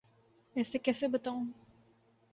ایسے کیسے بتاؤں؟